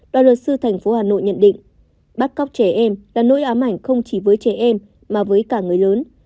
đoàn luật sư thành phố hà nội nhận định bắt cóc trẻ em là nỗi ám ảnh không chỉ với trẻ em mà với cả người lớn